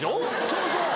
そうそう。